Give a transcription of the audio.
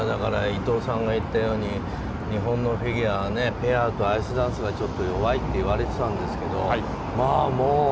伊藤さんが言ったように日本のフィギュアはペアとアイスダンスはちょっと弱いと言われてたんですけどまあ